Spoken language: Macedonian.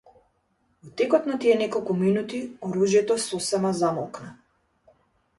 Во текот на тие неколку минути, оружјето сосема замолкна.